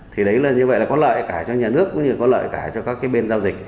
thì đấy là như vậy là có lợi cả cho nhà nước cũng như có lợi cả cho các cái bên giao dịch